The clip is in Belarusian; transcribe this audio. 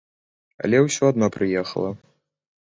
Але ўсё адно прыехала.